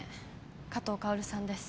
加藤薫さんです